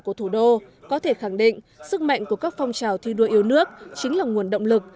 của thủ đô có thể khẳng định sức mạnh của các phong trào thi đua yêu nước chính là nguồn động lực